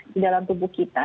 di dalam tubuh kita